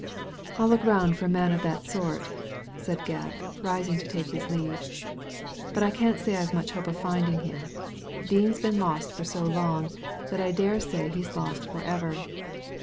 " I'll look round for a man of that sort," said Gebb, rising to take his leave, " but I can't say I've much hope of finding him. Dean's been lost for so long that I dare say he's lost for ever.